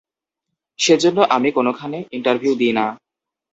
সে জন্য আমি কোনোখানে ইন্টারভিউ দিই না।